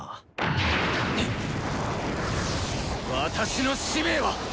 私の使命は！